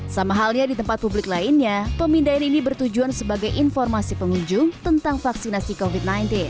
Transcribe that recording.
sama halnya di tempat publik lainnya pemindaian ini bertujuan sebagai informasi pengunjung tentang vaksinasi covid sembilan belas